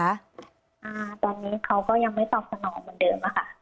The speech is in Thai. อ่าตอนนี้เขาก็ยังไม่ตอบสนองเหมือนเดิมอะค่ะ